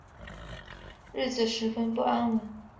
日子十分不安稳